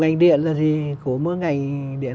ngành điện là gì của mỗi ngành điện